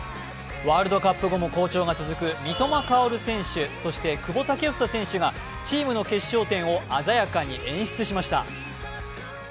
ワールドカップ後も好調が続く三笘薫選手、そして久保建英選手がチームの決勝点を鮮やかに演出しました。